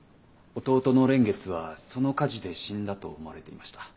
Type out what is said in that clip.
弟の蓮月はその火事で死んだと思われていました。